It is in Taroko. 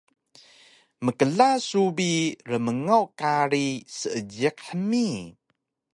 Mkla su bi rmngaw kari Seejiq hmi!